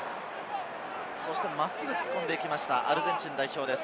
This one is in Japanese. そして真っすぐ突っ込んでいきました、アルゼンチン代表です。